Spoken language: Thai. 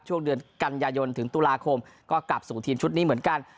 ช่วงเดือนกันยายนถึงตุลาคมก็กลับสู่ทีมชุดนี้เหมือนกัน